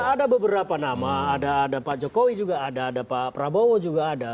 ada beberapa nama ada pak jokowi juga ada ada pak prabowo juga ada